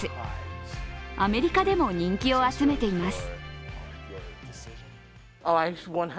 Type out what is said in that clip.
アメリカでも人気を集めています。